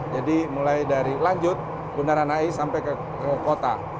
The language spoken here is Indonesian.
jadi mulai dari lanjut bunda ranai sampai ke kota